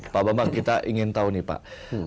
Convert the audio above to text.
pak bambang kita ingin tahu nih pak